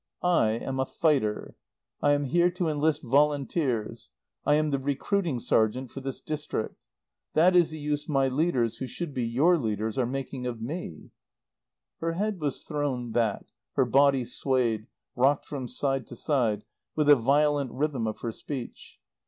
I am a fighter. I am here to enlist volunteers. I am the recruiting sergeant for this district. That is the use my leaders, who should be your leaders, are making of me." Her head was thrown back, her body swayed, rocked from side to side with the violent rhythm of her speech.